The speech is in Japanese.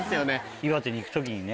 岩手に行く時にね